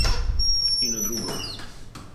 И на другом.